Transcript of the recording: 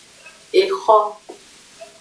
Exo.